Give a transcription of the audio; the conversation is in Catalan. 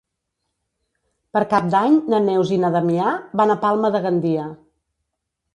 Per Cap d'Any na Neus i na Damià van a Palma de Gandia.